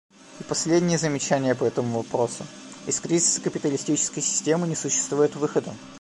И последнее замечание по этому вопросу — из кризиса капиталистической системы не существует выхода.